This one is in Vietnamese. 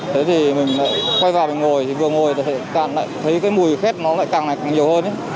thế thì mình quay vào mình ngồi vừa ngồi thấy mùi khét nó lại càng nhiều hơn